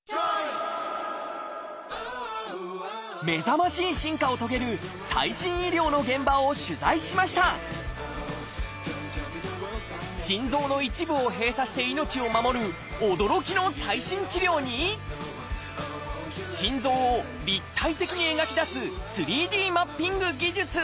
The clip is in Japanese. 目覚ましい進化を遂げる最新医療の現場を取材しました心臓の一部を閉鎖して命を守る驚きの最新治療に心臓を立体的に描き出す３Ｄマッピング技術。